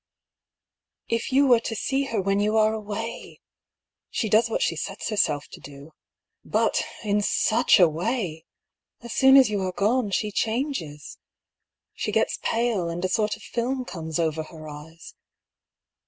" If you were to see her when you are away ! She does what she sets herself to do. But in such a way I As soon as you are gone, she changes. She gets pale^ and a sort of film comes over her eyes.